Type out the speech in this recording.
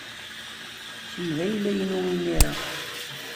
Kemm d ayla-inu imir-a.